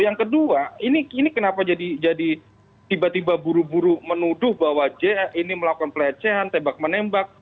yang kedua ini kenapa jadi tiba tiba buru buru menuduh bahwa j ini melakukan pelecehan tembak menembak